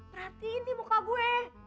perhatiin nih muka gue